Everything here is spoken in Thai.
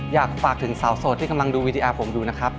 อยากฝากถึงสาวโสดที่กำลังดูวีดีอาร์ผมอยู่นะครับ